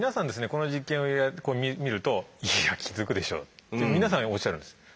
この実験を見ると「いや気付くでしょ」って皆さんおっしゃるんです。